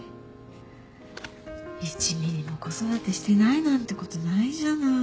１ｍｍも子育てしてないなんてことないじゃない。